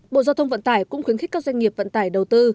bộ giao thông vận tải cũng khuyến khích các doanh nghiệp vận tải đầu tư